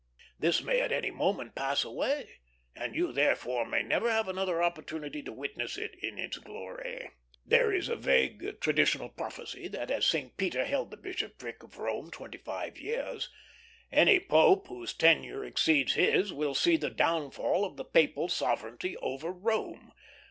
This may at any moment pass away, and you therefore may never have another opportunity to witness it in its glory. There is a vague traditional prophecy that, as St. Peter held the bishopric of Rome twenty five years, any pope whose tenure exceeds his will see the downfall of the papal sovereignty over Rome.